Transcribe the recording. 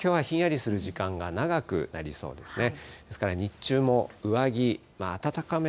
ちょっときょうはひんやりする時間が長くなりそうですね。